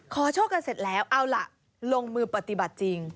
โชคกันเสร็จแล้วเอาล่ะลงมือปฏิบัติจริง